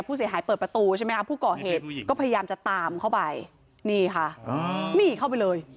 เปิดประตูใช่ไหมคะผู้ก่อเหตุก็พยายามจะตามเข้าไปนี่ค่ะนี่เข้าไปเลย